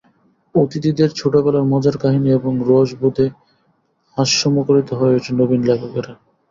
অতিথিদের ছোটবেলার মজার কাহিনি এবং রসবোধে হাস্য মুখরিত হয়ে ওঠে নবীন লেখকেরা।